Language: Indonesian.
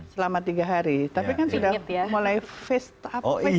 selama tiga hari tapi kan sudah mulai face time